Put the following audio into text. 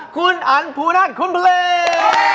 คุณอันภูนั่นคุณเพลง